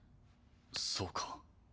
そうか。